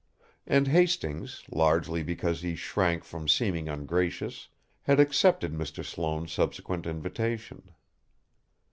And Hastings, largely because he shrank from seeming ungracious, had accepted Mr. Sloane's subsequent invitation.